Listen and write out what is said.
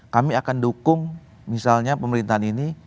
kami akan dukung misalnya pemerintahan ini